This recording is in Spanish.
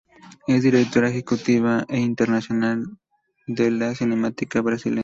Es directora ejecutiva internacional de la Cinemateca Brasileira.